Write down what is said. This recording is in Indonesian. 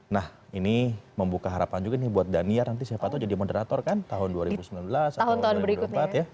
nah ini membuka harapan juga nih buat dania nanti siapa tau jadi moderator kan tahun dua ribu sembilan belas atau tahun berikutnya